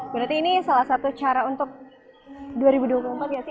berarti ini salah satu cara untuk dua ribu dua puluh empat ya